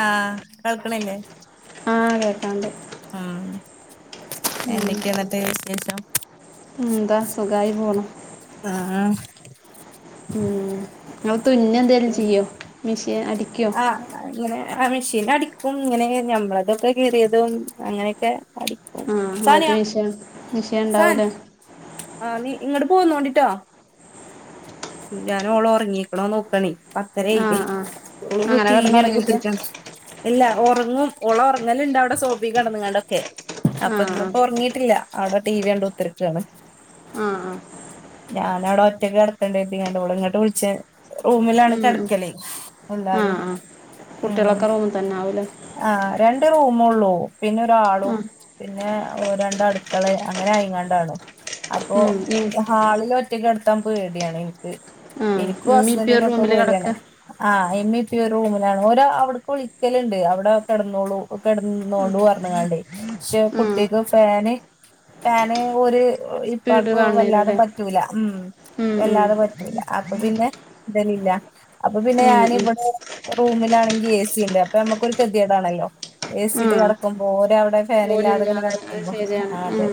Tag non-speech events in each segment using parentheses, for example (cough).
ആ കേൾക്കിണില്ലേ ആ കേക്കണ്ട് മ്മ് എന്തൊക്കെയാന്ന്ട് വിശേഷം മ്മ് ന്താ സുഖായി പോണു ആ മ് തുന്നെ എന്തേലും ചെയ്യോ മിഷീൻ അടി ആഹ് ഇങ്ങനെ ആ മെഷീൻ അടിക്കും ഇങ്ങനെ ഞമ്മളതൊക്കെ കീറിയതും അങ്ങനെക്കെ അടിക്കും സാനിയ ആഹ് (unintelligible) വിഷയം സാൻ ഉണ്ടാവൂല ആഹ് നീ ഇങ്ങട്ട് പോന്നോണ്ടിട്ടോ ഞാൻ ഓള് ഉറങ്ങീക്കണോന്ന് നോക്കാണേ ആ പത്തരയായില്ലേ ആ ഓള് ഇപ്പം അങ്ങനെ ടി വി കണ്ട് കിടന്നുറങ്ങിക്ക കുത്തീരിക്കാണ് ഇല്ലാ ഒറങ്ങും ഓള് ഒറങ്ങലണ്ട് അവിടെ സോഫെ കിടന്നുംകൊണ്ടൊക്കെ ആ അപ്പൊ ആ ഇന്നിപ്പോ ഉറങ്ങിയിട്ടില്ല അവിടെ ടി വി കണ്ട് കുത്തിറിക്കയാണ് ആ ആ ഞാനവിടെ ഒറ്റയ്ക്ക് കെട (unintelligible) ഓളെ ഇങ്ങോട്ട് വിളിച്ചെ റൂമിലാണ് ഉം ഉം. കിടക്കലേ ആ എല്ലാരും ആ മ്മ് കുട്ടികളൊക്കെ റൂമിൽ തന്നെ ആവൂലേ ആഹ് രണ്ട് റൂ മോളോ പിന്നെ ആ ഒരാളും പിന്നെ ഓഹ് രണ്ട് അടുക്കള അങ്ങനെ അയിങ്ങാണ്ടാണ് അപ്പൊ ഉം ഉം. ഹാളിൽ ഒറ്റക്കെടു (unintelligible) ബിരിയാണിയിൽ ഉപ്പ് ആ എനിക്കും ഉമ്മി ഇപ്പി ഒരു ഹസ്ബന്റിനൊക്കെ റൂമില് കിടക്ക പേടിയാണ് ആഹ് എന്നെ പുതിയ റൂമിലാണ് ഓര അവിട കുളിക്കലുണ്ട് അവിടെ കെടന്നോളു കെടന്നോണ്ട് പറഞ്ഞതാണ്ടേ ക്ഷെ ഉം. കുട്ടിക്ക് ഫാന് ഫാന് ഒരു സ്പീഡ് ഇപ്പാക്ക് വല്ലാതെ വേണ്ടിവരുല്ലേ പറ്റൂല മ്മ് ഉം ഉം അല്ലാതെ പറ്റൂല അപ്പൊ പിന്നെ ഇടലില്ല അപ്പൊ പിന്നെ ഉം ഞാൻ ഉം ഇവിടെ റൂമിലാണെങ്കിൽ എ സി ഉണ്ട് അപ്പൊ നമ്മുക്കൊരു ഗതികേടാണല്ലോ ആ എസിയിട്ട് കിടക്കുമ്പോ ഓരവിടെ ഫേൻ ഇല്ലാതെ ഇങ്ങനെ ഓലില്ലാതെ അത് കിടക്കുമ്പോ ശരിയാണ് അതെ ഉം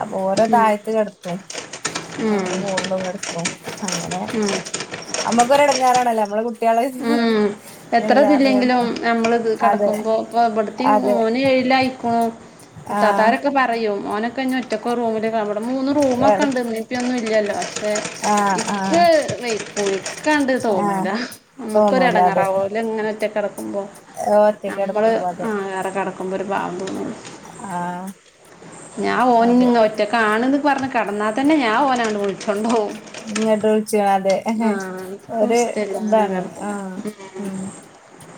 അപ്പൊ ഓരെ ഉം താഴത്ത് കിടത്തും ഉം ഞങ്ങള് മുകളിലും കെട അപ്പൊ അങ്ങനെ ഉം ഞമ്മക്ക്‌ ഒരു ഇടങ്ങേറാണല്ലാ നമ്മള കുട്ടികള് എത്ര ഇല്ലാതെ ഇതില്ലെങ്കിലും കിടത്തും നമ്മളിത് അതെ കിടക്കുമ്പോ (unintelligible) അതെ മോന് ഏഴിലായെക്കും ആഹ് ഇത്താത്തമാരൊക്കെ പറയും മോനെ തന്ന ഒറ്റക്ക്‌ ഒരു റൂമില് കാണുവൊള്ള മൂന്ന് റൂമൊക്കെ കെട ഉണ്ട് ഉമ്മേ ഉപ്പിയൊന്നും ഇല്ലാല്ലോ അപ്പെ ആഹ് ആഹ് ഇക്കേ (unintelligible) ക്കണ്ട് ആഹ് തോന്നൂല നമുക്കൊര് തോന്നൂല എടങ്ങേ അതെ അതിലെങ്ങനത്തെ ഒറ്റക്ക് ഞമ്മള് കെടക്കുമ്പോ അതെ ആ വേറെ കെട ഒന്നൂട പാവം തോന്നേ ആഹ് ഞാൻ അതെ ഓനിനിങ്ങ ഒറ്റക്കാണെന്ന് പറഞ്ഞ കടന്നാൽ തന്നെ ഞാ ഓനങ്ങാട് വിളിചൊണ്ടോവും ഇങ്ങട്ടോ അതെ ഇക്കും ഒരു ഇഷ്ടല്ല അങ്ങനെ എന്താണ് ആ കെടക്കണെ ഉം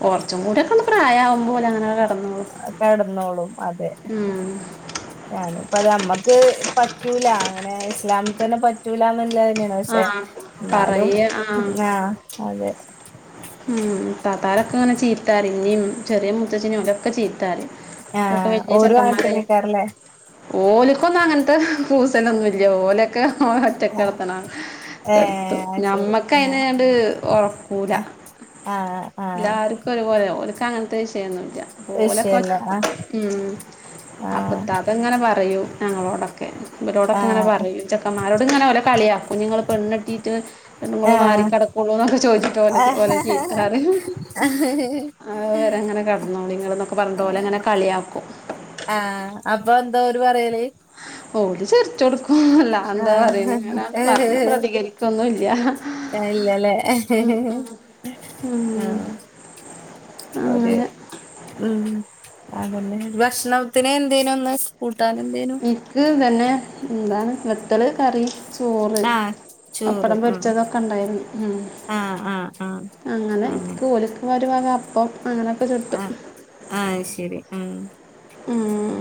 കുറച്ചും കൂടി ഒക്കെ പ്രായമാകുമ്പോ ഓല അങ്ങനെകെ കടന്നോളും അതെ ഉം. ഞാന് അപ്പ അത് നമ്മക്ക് പറ്റൂല അങ്ങനെ ഇസ്ലാമത്ത് തന്നെ പറ്റൂളാന്നുള്ളതന്നെയ ആ പക്ഷെ എന്നാലും ആ അതെ ഉം താത്താരൊക്കെ ഇങ്ങനെ ചീത്തറയും ഇനിയും ചെറിയ മുത്തച്ചീനേം ഓക്കെ ചീത്ത പറയും ആ ഓരോ അങ്ങനെ തന്നെ ആയിക്കാരും ലെ ഓലിക്കൊന്നങ്ങനെ ത്തെ കൂസലൊന്നും ഇല്ല പോലെയൊക്കെ ഒറ്റക്കിടത്തണം കി ടുത്തു ഏഹ് അത് ശരി ഞമ്മക്ക് ആഹ് അതിനതിനണ്ട് ഉറക്കൂല ആഹ് ആഹ് ഓല്ക്ക അങ്ങനത്തെ വിഷയയോന്നുല്ല ഓലപ്പോ വിഷയല്ല അപ്പോ ആഹ് ഇത്താത്ത ഇങ്ങനെ പറയും ഞങ്ങളോടൊക്കെ ഇരോടൊക്കെ ആഹ് ഇങ്ങനെ ആഹ് പറയും ചെന്മാരോട് ഇങ്ങനെ ഓല കളിയാക്കും നിങ്ങൾ പെണ്ണേട്ടിട്ട് പെണ്ണുങ്ങൾ ആഹ് മാറിക്കിടക്കുള്ളൂ എന്നൊക്കെ ചോദിച്ചിട്ട് ഓല ഓല ഇത്ര ആഹ് അറി വേറെങ്ങനെ കടന്നോളിങ്ങന്നൊക്കെ പറഞ്ഞിട്ട് ഓലങ്ങനെ കളിയാക്കും അപ്പൊ എന്താ ഓരു പറയല് ഓല് ച്ചിർച്ചു കൊടുക്കും അല്ലാതെ ആ എന്താ പറയണെ അങ്ങനെ പറഞ്ഞ് പ്രതികരിക്കൊന്നുല്ല ഇല്ലല്ലേ ആ ഉം ഓര് അങ്ങനെ ഉം ഭക്ഷണത്തിന് എന്തേനു ഇന്ന് ഫുഡ് ഇക്ക് തന്നെ എന്താണ് നെത്തല് കറി ചോറ് ആഹ് ചോറ് അപ്പടം ഉം പൊരിച്ചതൊക്കെ ഉണ്ടായിരുന്നു ഉം ആഹ് ആഹ് ആഹ് അങ്ങനെ കോ കോലിക്ക് ഒരു വക ഓഫ് ആ ആഹ് ശരി ഉം ഉം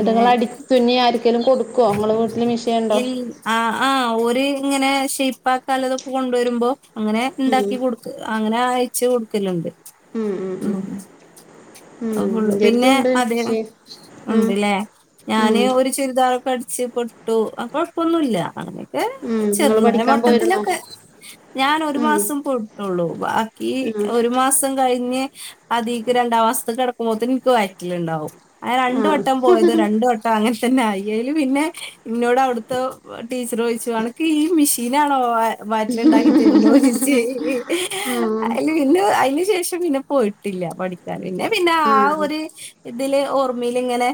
അതുങ്ങള അടി തുന്നിയാ ആരിക്കേലും കൊടു ഇൽ ആ ആഹ് ഒ ഇങ്ങനെ ശേപ്പാക്കാനുള്ള തൊക്കെ കൊണ്ടുവരുമ്പോ അങ്ങനെ ഉം ഉണ്ടാക്കി കൊടുക് അങ്ങനെ അയച്ച കൊടു ക്കിലണ്ട് ഉം ഉം ഉം എന്റെ അടുത്തും പിന്നെ ഉണ്ട് അതെ മിഷീൻ ഉം ഉണ്ട്ല്ലേ ഉം ഞാന് ഒരു ചുരിദാർ പഠിച്ചച്ച് പൊട്ടു കുഴപ്പൊന്നുമല്ല അങ്ങനെ ഉം നിങ്ങള് ചെറുതര പഠിക്കാൻ പോയിരുന്നോ വട്ടത്തിലൊക്കെ ഞനൊരു ഉം മാസം പോയിട്ടുള്ളു ബാക്കി ഉം ഒരു മാസം കഴിഞ്ഞ് അതീക്ക് രണ്ടാ അവസ്ഥ കിടക്കുമ്പോത്തിന് ഇനിക്ക് വയറ്റില് ഇണ്ടാവും ആഹ് രണ്ടുവട്ടം പോയത് രണ്ടുവട്ടം അങ്ങനെ തന്നെ ആയി പിന്നെ ഇന്നോട് അവിടുത്തെ ടീച്ചർ ചോദിച്ചു അനക്ക് ഈ മെഷീനാണോ വായറ്റിലുണ്ടാക്കി തീർന്നു ചോയ്ച്ച് അ ആഹ് പിന്നെ അതിനു ശേഷം പിന്നെ പോയിട്ടില്ല പഠിക്കാൻ പിന്നെ പിന്നെ ആ ആഹ് ഒരു ഇതില് ഓർമ്മൽ ഇങ്ങനെ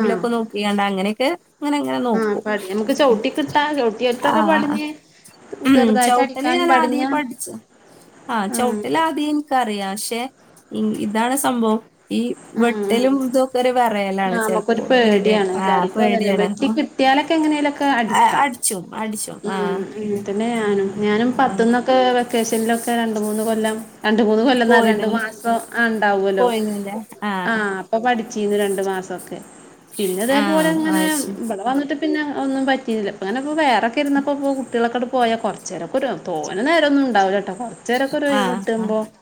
ആഹ് നോക്കിണ്ട അങ്ങനെയൊക്കെ അങ്ങനെ അങ്ങനെ ആഹ് നോക്കും പടി നമുക്ക് ചവിട്ടി കിട്ടാ ആ ചവിട്ടിയിട്ടൊക്കെ പടിഞ്ഞ് ഉ ചെറുതായിട്ട് ചവിട്ടല് അടിക്കാനും ഞൻ പടിഞ്ഞ ആദ്യം പഠിച്ചു ആഹ ആഹ് ചവിട്ടല ആദ്യം എനക്ക് അറിയാം പക്ഷെ ഇ ഇതാണ് സംഭവം ഈ ആഹ് ആഹ് വെട്ടലും ഇതൊക്കെ ഒരു പറയലാണ് ആഹ് ചെിലപ്പോ നമുക്കൊരു പേടിയ പേടിയാണ് ആ എല്ലാർക്കും അതന്നെ പേടിയാണ് വെട്ടി കിട്ടിയാലൊക്കെ എങ്ങനെലൊക്കെ അടിക്കാം അടിച്ചും അടിച്ചും ഉം ആഹ് എന്നത്തന്നെ ഞാനും ഞാനും ആഹ് പത്തന്നൊക്കെ വെക്കേഷനിലൊക്കെ രണ്ട മൂന്ന് കൊല്ലം രണ്ടു മൂന്ന് കൊല്ലന്നാ രണ്ടു പോയിനല്ലേ മാസം ആണ്ട ല്ലോ പോയിനല്ലേ ആ ആഹ് അപ്പൊ പഠി ചെയീന്ന് രണ്ട് മാസമൊക്കെ പിന്നെ അതേപോലെ ആഹ് ഇങ്ങനെ അത് ശരി ഇവിടെ വന്നിട്ട് പിന്നെ ഒന്നും പറ്റിയില്ല അങ്ങനെ വേറെ ഇുന്നപ്പോൾ കുട്ടികൾക്കോട് പോയാൽ കുറച്ച് ചിലപ്പോ ഒരു തോന നേരം ഒന്നും ഉണ്ടാവില്ല കേട്ടോ കൊറ അച്ചരോക്കൊരു ആഹ് ആഹ് (unintelligible)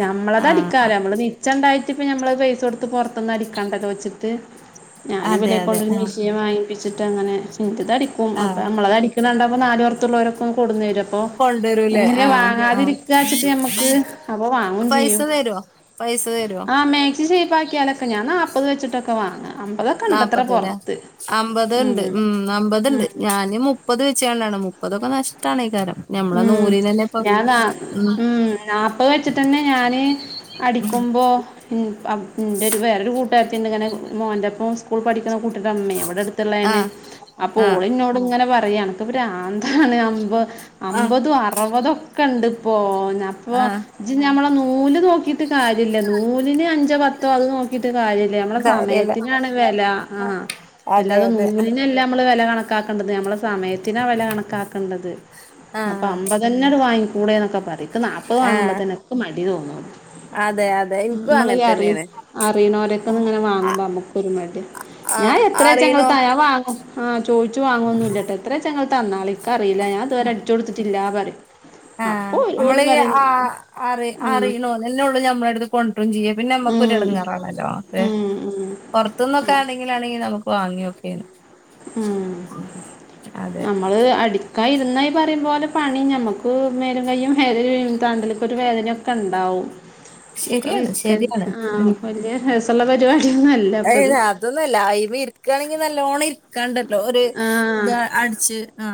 ഞമ്മളത് അടിക്കാര ആഹ് നമ്മള പച്ചണ്ടായിത്തി ഇപ്പം ഞമ്മള് പൈസ കൊടുത്ത് പൊറത്തന്ന് അടിക്കണ്ടല്ലോ വച്ചിട്ട് ഞാനും അതെ അതെ ഇവെലെക്കൊണ്ടൊരു ആഹ് മിഷൻ വാങ്ങി പ്പിച്ചിട്ട് അങ്ങനെ ഇതടിക്കും അപ്പ ആഹ് നമ്മളതാടി (unintelligible) നാലോറത്തുള്ളവർക്കും (unintelligible) അപ്പൊ കൊണ്ടുവരൂലേ എങ്ങനെ ആഹ് ആഹ് വാങ്ങാതിരിക്ക വെച്ചിട്ട് ഞമ്മക്ക് അപ്പൊ വാങ്ങും പൈസ ചെയ്യും തരുവോ പൈസ തരുവോ ആ മാക്സി ഷേപ്പാക്കിയാലൊക്കെ ഞാൻ നാപ്പത് വെച്ചിട്ട ഒക്കെ വാങ്ങ നാപ്പത് ല്ലെ അമ്പത്ണ്ട് ഉം മ്മ് അമ്പത്ണ്ട് ഞാന് മുപ്പത് (unintelligible) മുപ്പതൊക്കെ നഷ്ടാണ് ഈ കാരം മ്മ് ഞാൻ നാ ഉം മ്മ് നാപ്പത് വെച്ചിട്ടന്നെ ഞാന് അടിക്കുമ്പോ ന്റെ അപ് വേറൊരു കൂട്ട് (unintelligible) മോൻ്റോപ്പം സ്കൂൾ പഠിക് കുട്ടീടെ അമ്മയേ ഇവിടെടുത്തുള്ളന്നെ ആഹ് അപ്പോ ആഹ് ഓളിന്നോട് ഇങ്ങനെ പറ പറയാ അണക്ക് പ്രാന്താണ് അമ്പോ ആഹ് അമ്പതോ അറുപതോ ക്കണ്ട്പ്പോ അപ്പൊ ആഹ് ഇജ്ജ് ഞമ്മളെ നൂല് നോക്കിട്ട് കാര്യയില്ല നൂലിന് അഞ്ചോ പത്തോ അത് നോക്കിട്ട് കാര്യയില്ല നമ്മളെ കാര്യല്ല സമയത്തിനാണ് വെല ആഹ് അതെ അല്ലാതെ അതെ നൂലിനല്ല നമ്മള് വെല കണക്കാക്കേണ്ടത് നമ്മളെ സമയത്തിനാ വെല കണക്കാക്കേണ്ടത് അപ്പ ആഹ് അമ്പതെന്നെ വാങ്ങി കൂടെന്നൊക്കെ പറയും ക്ക് നാപ്പത് വാങ്ങുമ്പ ആഹ് തന്നെ ഇക്ക് മടി (unintelligible) അതെ അതെ ഇൻക്കും ഇമ്മള് അങ്ങൻ ഈ അറീ തന്നേണ് അറീണോരൊടുത്തുന്ന് ഇങ്ങനെ വാങ്ങുമ്പോ നമ്മക്കൊരു മടിയാ ഞാൻ ആഹ് എത്രയച്ചാ അറിണോ ഇങ്ങളടുത്ത് ഞാൻ വാങ്ങും ആ ചോദിച്ച് വാങ്ങോന്നുല്ല ട്ടോ എത്രയച്ചാ ഇങ്ങള് തന്നോളി ക്കറിയില്ല ഞാനിതുവരെ കൊടുത്തിട്ടില്ല പറയും ആ അപ്പൊ നമ്മള് ഓല് പറയും ആ അ അറി ഉം അറിയുണോന്ന് എന്നോട് ഞമ്മളടുത് (unintelligible) പിന്നെ ഉം നമ്മുക്കൊരുടങ്ങാറാണല്ലോ ഉം പൊറത്തുന്നൊക്കെ ആണെങ്കിലാണെങ്കി നമുക്ക് വാങ്ങി (unintelligible) മ്മ് അതെ നമ്മള് അടി ക ഇരുന്നായി പറയുമ്പോലെ അത് പണി ഞമ്മക്ക് മേലും കയും വേദനയും താണ്ടെല്ലുക്കൊരു വേദനൊക്കെണ്ടാവും (unintelligible) ശരിയാണ് ശരിയാണ് ആ ഉം വല്ല്യ രസ് എന്നാ പരിപാട് ഏയ് അതൊന്നുമല്ല അയിമ് ഇരിക്കയാണെങ്ക നല്ലോണ്ണം ഇരിക്കാണ്ട് ഒരു ആ ഇത് അടിച്ച് ആ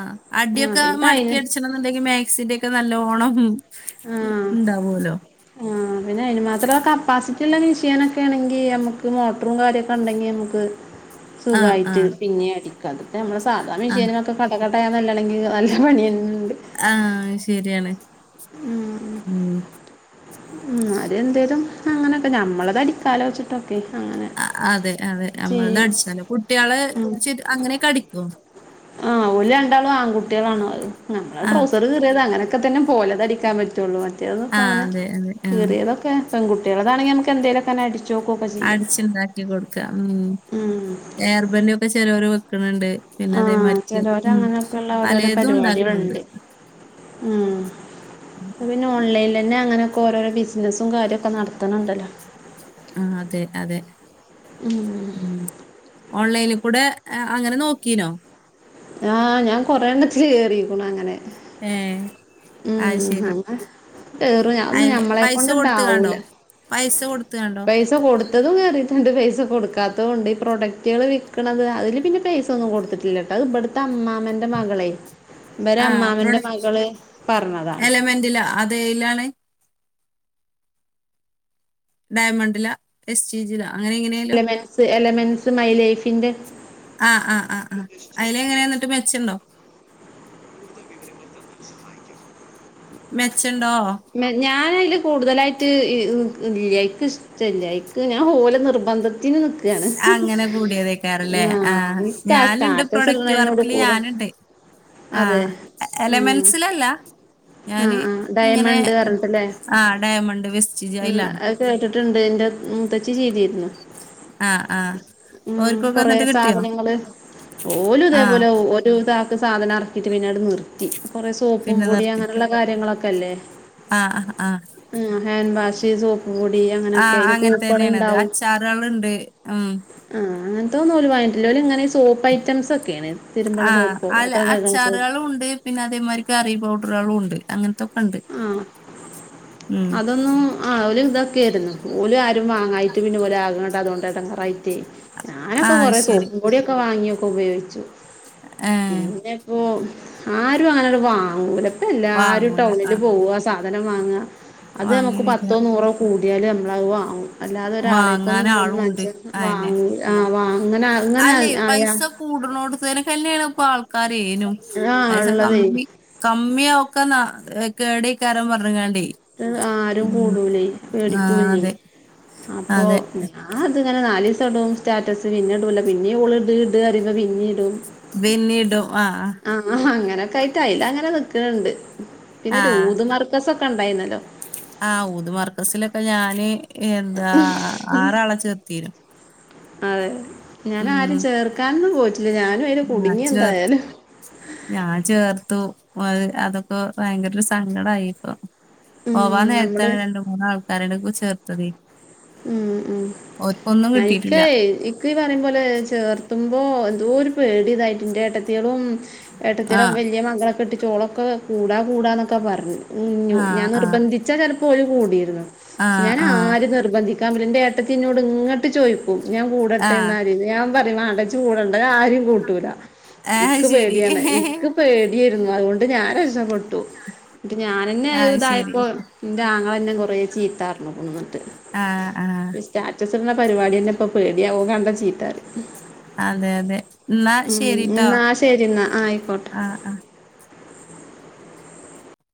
ആ അടിയൊക്കെ പിന്നെ അതിന് മടക്കി അടിച്ചണുണ്ടെങ്കിൽ മാക്സിന്റെ ക്കെ നല്ലോണം ണ്ടാവൂലോ ന്നെ അയ്ന് മാത്രം കപ്പാസിറ്റി ഉള്ള മിഷ്യനൊക്കെ ആണെങ്കി നമുക്ക് മോട്ടറും കാര്യൊക്കെ ഉണ്ടെങ്കി നമുക്ക് ആ ആ സുഖമായിട്ട് പിന്നെ അടിക്ക അതൊക്കെ നമ്മള് സാധാ ആ മിഷ്യനൊക്കെ (unintelligible) (unintelligible) ണെങ്കിൽ നല്ല പണിയ ആ ശരിയാണ്. മ്. ന്നാലു എന്തേലും അങ്ങനൊക്കെ ഞമ്മളത് അടിക്കാലോ വച്ചിട്ടൊ അതെ അതെ നമ്മൾത് ചെയ്യും അടിച്ചാല്ലോ. കുട്ടിയേളെ അങ്ങനെക്കെ അടിക്കോ? ആ ഓല് രണ്ടാളും ആൺകുട്ടിയേളാണ്. അഹ് നമ്മളാ ആ ട്രൗസർ കീറിയത് അങ്ങനെയൊക്കെ തന്നെ പ്പോലത് അടിക്കാൻ പറ്റൊള്ളൂ. മ റ്റതൊന്നും ആ പ്പ ങ്ങനെ അതെ അതെ ആ കീറിയതൊക്കെ പെൺകുട്ടിയേൾതാണെങ്കി നമക്ക് എന്തേലൊക്കെങ്ങനെ അടി അടിച്ച് ണ്ടാക്കി കൊടുക്കാ. മ് ഉം ഏർബൻ്റ് ഇപ്പൊ ചെലോര് വെക്കണ് ണ്ട്. ആ.. ചെലോരങ്ങനെയൊക്കെള്ള ഓരോരോ പലതും ഉണ്ടാക്കുന്നുണ്ട് പരിപാടികള്ണ്ട്. മ് ഇപ്പപിന്നെ ഓൺലൈൻ ലെന്നെ അങ്ങനൊക്കൊ ഓരോരോ ബിസ്നസ് ഉം കാര്യൊക്കെ നടത്ത് ണ് ണ്ടല്ലോ ആ അതെ അതെ. ഉം മ് ഓൺലൈനിൽ കൂടെ അങ്ങനെ നോക്കീനോ ആ ഞാൻ കൊറെ എണ്ണത്തിൽ കേറിക്കുണ് അങ്ങനെ ഏ അത് മ്മ് ശരി അങ്ങ കേറും ഞൻന്ന് അയ് ഞമ്മളെ പൈസ കൊടുത്ത് കണ്ടോ കൊണ്ടണ്ടാവൂല പൈസ കൊടുത്ത് കണ്ടോ പൈസ കൊടുത്തതും കേറി ണ്ട് പൈസ കൊടുക്കാത്തതുണ്ട് ഈ (unintelligible) പ്രൊഡക്റ്റുകൾ വിൽക്കണത് അതിൽ പിന്നെ പൈസ ഒന്നും കൊടുത്തിട്ടില്ല കേട്ടോ (unintelligible) അമാമ്മന്റെ മകളെ ഇവരെ ആ പ്രൊഡ അമ്മാമന്റെ മകള് പറഞ്ഞതാണ് എലമെന്റില അതെയിലാണ് ഡയമണ്ടില എസ്ചി ജില അങ്ങനെ എങ്ങനെയല്ലോ മെസ്സ് അല്ലെ ൻസ് മൈലൈഫിന്റെ ആ ആ ആ ആ അയില് എങ്ങനെ എന്നിട്ട് മെച്ചുണ്ടോ മെച്ച മെ ഞാനാ കൂടുതലായിട്ട് ഇല്ലയിക്ക് ഇഷ്ടല്ലൈക്ക് ഞാൻ ഓലെ നിർബന്ധത്ത അങ്ങനെ കൂടിയതക്കാറല്ലേ ആ ആഹ് എനിക്ക് ആ ഞാനുണ്ട് സ്റ്റാറ്റസ് പ്രൊഡക്റ്റ് ഇടുന്നതിനോട് വർക്കില് കൂടു ഞാനുണ്ട് ആ അതെ ഉം എലമെൻസിലല്ല ഞാന് ഇങ്ങനെ റഞ്ഞിട്ടില്ലേ ആ ഡയമണ്ട് വെസ്റ്റ് ഉം ജയിലാണ് അത് കേട്ടിട്ടുണ്ട്ന്റെ മൂത്തച്ചി ചെയ്തീര്ന്ന് ആഹ് ആഹ് ഉം ഓര്ക്കൊക്കെ കൊറേ എന്നിട്ട് കിട്ടിയോ സാധനങ്ങള് ഓലു ആഹ് ഇതേപോലെ ഒരു ഇത സാധനറക്കീട്ട് പിന്നങ്ങട് നിർത്തി കുറേ സോപ്പും പിന്നെ പൊടി നിർത്തി അങ്ങനെയുള്ള കാര്യങ്ങളൊക്കെ ക്കല്ലേ ആഹ് ഉം ഹാൻഡ് വാഷ് സോ ആ അങ്ങന തന്നേണിത് അച്ചാറുകൾുണ്ട് ഉം ആഹ് അങ്ങനത്തൊന്നും ഓല് വാങ്ങീട്ടില്ല ഓല് ഇങ്ങനെ സോപ്പ് ഐറ്റംസ് ഒക്കെയാണ് തിരുമ്പണ ആ സോപ്പോ അല്ല പാത്രം കഴുകണ സോപ്പ് അച്ചാറുകളും ഉണ്ട് പിന്നെ അതേമാരി കറി പൗഡറുകളും ഉണ്ട് അങ്ങനത്തോക്ക ക്കണ്ട് ആഹ് അതൊന്നും ആ ഓല് അതൊക്കെയിരുന്നു ഓല് ആരും വാങ്ങായിട്ട് പിന്നെ ഓല് ആകങ്ങട്ട അതുകൊണ്ടാടങേറ റായിട്ട് ഞാനൊക്കെ ആഹ് കൊറെേ ശരി സോപ്പും പൊടിയൊക്കെ വാങ്ങി ഒക്കെ ഉപയോഗിച്ചു ഏഹ് പിന്നെപ്പോ ആരും അങ്ങനത് വാങ്ങൂല എല്ലാരും വാങ്ങൂല ടൗണില് ആഹ് പോവുവാ സാധ സാധനം വാങ്ങുഅ അത് വാങ്ങി നമുക്ക് വരില്ല പത്തോ നൂറോ കൂടി ആയാല് നമ്മളത് വാങ്ങും അല്ലാതെ ഒരാളെക്കൊണ്ട്‌ വാങ്ങാൻ ആളും ഉണ്ട് ഒന് അയന്നെ വാങ്ങൂ ആാ അങ്ങനെ അങ്ങനെ അല്ലെ ആയാ പൈസ കൂടണോടത്തേനൊക്കെന്നെയാണ് (unintelligible) ഇപ്പൊ ആൾക്കാ ന (unintelligible) ആ പൈസ ഇള്ളതേ കമ്മി കമ്മിയാകു ക്ക കേട കാരം (unintelligible) പറങ്ങാണ്ടി ആരും കൂടൂല്ലേ ആ പേടിക്കൂല്ലേ അതെ അപ്പൊ അതെ ഞാ അതിങ്ങനെ നാല് ദീസം ഇടും സ്റ്റാറ്റസ് പിന്നെ ഇടൂല പിന്നെം ഓള് ഇട് ഇട് കരയുമ്പോ പിന്നേം ഇടും പിന്നീടും ആ ആണോ അങ്ങനെ ക്കായിട്ട (unintelligible) ആയില്ല അങ്ങനെ നിക്കിണുണ്ട് പിന്നെ ആ രൂത മർക്കസൊ (unintelligible) ക്കെ ഉണ്ടായിന്നല്ലോ ആ ഊത് മർക്കസിലൊക്കെ ഞാന് എന്താ ആറാളെ ചേർത്തീരും അതെ ഞാനാരിം ചേർക്കാനൊന്നും പോയിട്ടില്ല ഞാനും അയില് ഞാൻ കുടുങ്ങി ചേർത്തു എന്തായാലും ഞാൻ ചേർത്തു അ അതൊക്കെ ഭയങ്കര ഒരു സങ്കടായി ഇപ്പം ഉം നമ്മള് പോവാന്നേരത്താണ് രണ്ടു മൂന്നാൾക്കാരെ (unintelligible) ചേർ ത്തതേ ഉം ഉം ഞാനിക്ക കിട്ടിയിട്ടില്ല (unintelligible) ഇക്ക് പറയും പോലെ ചേർ ത്തുമ്പോ എന്തോ ഒരു പേടിയിതായിട്ട് ഇന്റെ ഏട്ടത്തിയേളും ആ ഏട്ടത്തിടെ വലിയ മകളെ കെട്ടിച്ചോളൊക്കെ കൂടാ കൂടാ എന്നൊക്കെ പർ ഞ്ഞു ആ ഞാൻ ആ നിർബന്ധിച്ചാ ചെലപ്പോരു കൂടിയിരുന്നു ഷെ ആ ഞാനാ ആ രിം നിർ (unintelligible) ഇൻ്റെ ഏട്ടത്തി ഇന്നോട് ഇങ്ങട്ട് ചോയ് ക്കു ഞാൻ ആ കൂടട്ടെ എന്നാലീന്ന് ഞാൻ പറയും വേണ്ട ഇജജ് കൂടണ്ട ഞാൻ ആരിം കൂട്ടൂല ആ ഇക്ക് ശരി പേടിയാണ് ഇക്ക് പേട്യേരുന്നു അതുകൊ ണ്ട് ഞാ രക്ഷപ്പ ട്ടു ഇന്നട്ട് ഞാനന്നെ ആ അഅ് ശരി ഇതായപ്പോ ഇന്റാങ ങ്ങളെന്നെ കുറേ ചീത്താർഞ്ഞുക്ണു ഇന്നട്ട് ആ ആ ക്ക്ണ പരിപാടിയന്നെ ഇപ്പൊ പേടിയാ ഓൻ കണ്ടാ ചീത്ത റിം അതെ അതെ എന്നാ ശരിട്ടോ എന്നാ ശരി എന്നാ ആയിക്കോട്ടെ ആഹ് ആഹ്